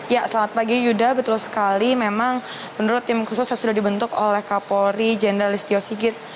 ya selamat pagi yuda betul sekali memang menurut tim khusus yang sudah dibentuk oleh kapolri jenderal istio sigit